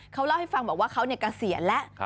เขาเล่าให้ฟังว่าเขาเนี่ยเกษียณแล้ว